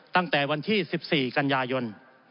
ตั้งแต่วันที่๑๔กันยายน